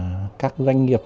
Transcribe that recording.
như là các doanh nghiệp